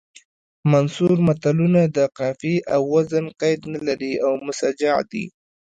منثور متلونه د قافیې او وزن قید نه لري او مسجع دي